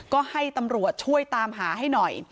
ก็ให้ตำรวจช่วยตามหาให้หน่อย